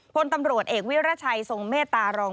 พลตำรวจเอกวิรัชัยทรงเมตตารอง